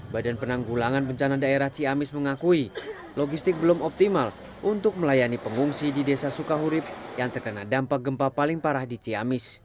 badan penanggulangan bencana daerah ciamis mengakui logistik belum optimal untuk melayani pengungsi di desa sukahurip yang terkena dampak gempa paling parah di ciamis